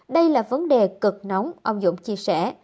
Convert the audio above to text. đây là vấn đề cực nóng ông dũng chia sẻ